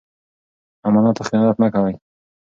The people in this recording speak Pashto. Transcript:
امانت ته خیانت مه کوئ.